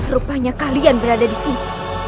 rupanya kalian berada di sini